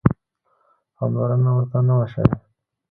پاملرنه ورته نه وه شوې.